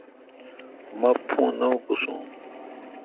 مہ پھݨ نہ اکوسون۔